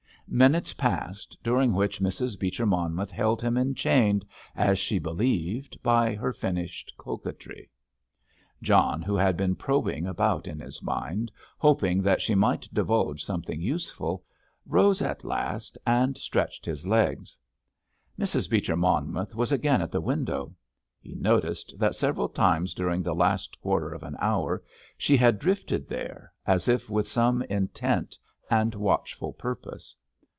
Minutes passed, during which Mrs. Beecher Monmouth held him enchained, as she believed, by her finished coquetry. John, who had been probing about in his mind, hoping that she might divulge something useful, rose at last and stretched his legs. Mrs. Beecher Monmouth was again at the window. He noticed that several times during the last quarter of an hour she had drifted there, as if with some intent and watchful purpose.